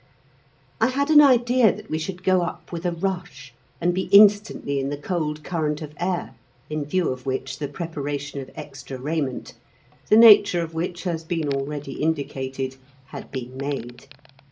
I had an idea that we should go up with a rush, and be instantly in the cold current of air in view of which the preparation of extra raiment, the nature of which has been already indicated, had been made.